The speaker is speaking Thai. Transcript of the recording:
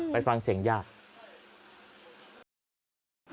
ไปฟังเสียงญาติ